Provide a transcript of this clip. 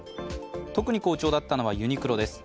特に好調だったのはユニクロです。